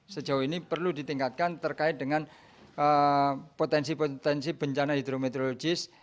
sejauh ini perlu ditingkatkan terkait dengan potensi potensi bencana hidrometeorologis